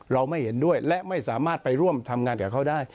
เราไม่เห็นด้วยและไม่สามารถไปร่วมทำงานกับเขาได้